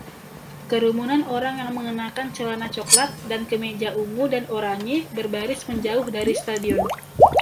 Kerumunan orang yang mengenakan celana cokelat dan kemeja ungu dan oranye berbaris menjauh dari stadion.